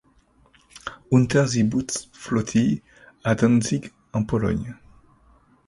Unterseebootsflottille à Danzig en Pologne.